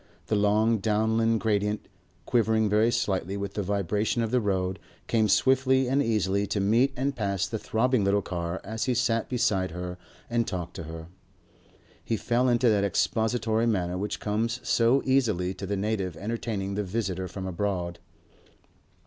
The long Downland gradients, quivering very slightly with the vibration of the road, came swiftly and easily to meet and pass the throbbing little car as he sat beside her and talked to her. He fell into that expository manner which comes so easily to the native entertaining the visitor from abroad.